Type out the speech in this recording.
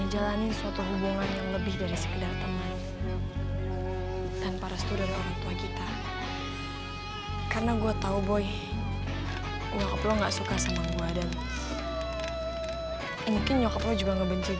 nanti orang lain yang bakalan jadi korbannya